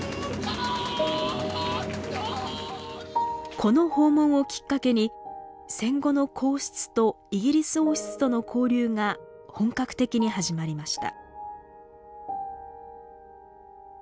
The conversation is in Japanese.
この訪問をきっかけに戦後の皇室とイギリス王室との交流が本格的に始まりました。